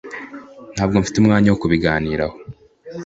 Ntabwo mfite umwanya wo kubiganiraho.